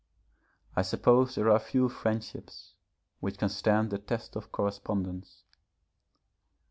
I suppose there are few friendships which can stand the test of correspondence.